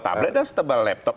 tablet dan setebal laptop